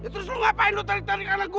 terus lu ngapain lu tarik tarik anak gue